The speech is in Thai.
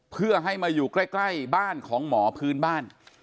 เพื่อให้มาอยู่ใกล้บ้านของหมอพื้นบ้าน